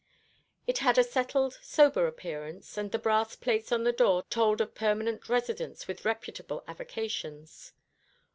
It had a settled sober appearance, and the brass plates upon the door told of permanent residents with reputable avocations.